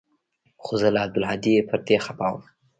خو زه له عبدالهادي پر دې خپه وم.